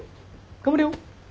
頑張れよ。